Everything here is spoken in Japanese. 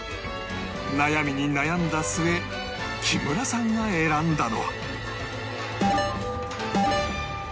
悩みに悩んだ末木村さんが選んだのは？